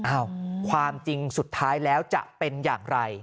ความจริงสุดท้ายแล้วจะเป็นอย่างไร